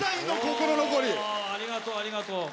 ありがとう、ありがとう。